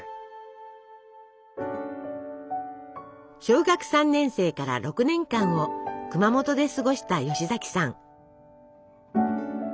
小学３年生から６年間を熊本で過ごした吉崎さん。